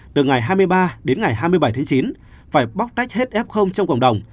từ ngày hai mươi ba đến ngày hai mươi bảy tháng chín phải bóc tách hết f trong cộng đồng